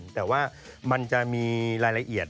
สถาคารมันก็จะต่างกัน